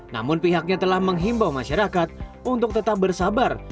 namun pihaknya telah menghimbau masyarakat untuk tetap bersabar